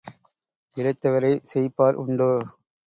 இளைத்தவரைச் செயிப்பார் உண்டோ?